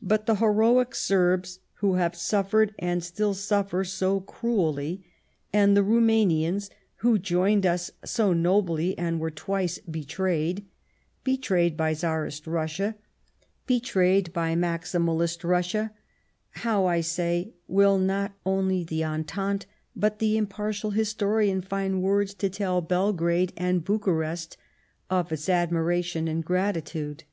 But the heroic Serbs, who have suffered, and still suffer, so cruelly ; and the 184 The German Empire Rumanians, who joined us so nobly and were twice betrayed — betrayed by Tsarist Russia, be trayed by Maximalist Russia— how, I say, will not only the Entente, but the impartial historian find words to tell Belgrade and Bucharest of its admiration and gratitude